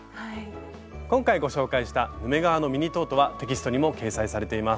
今回ご紹介した「ヌメ革のミニトート」はテキストにも掲載されています。